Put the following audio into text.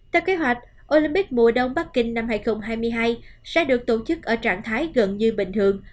theo kế hoạch olympic mùa đông bắc kinh năm hai nghìn hai mươi hai sẽ được tổ chức ở trạng thái gần như bình thường